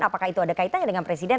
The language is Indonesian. apakah itu ada kaitannya dengan presiden